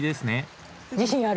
自信ある。